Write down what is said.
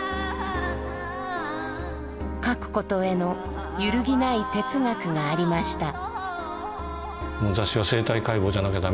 書くことへの揺るぎない哲学がありました。